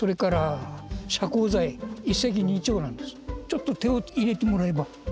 ちょっと手を入れてもらえば。